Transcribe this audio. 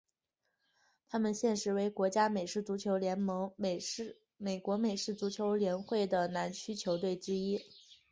他们现时为国家美式足球联盟美国美式足球联会的南区的球队之一。